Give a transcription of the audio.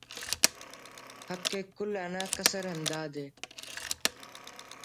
حقءِ کل انا کسر ہندادے